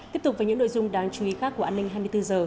tiếp tục với những nội dung đáng chú ý khác của an ninh hai mươi bốn h